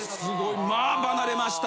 まあ離れました。